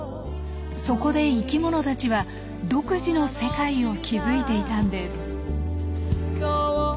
そこで生きものたちは独自の世界を築いていたんです。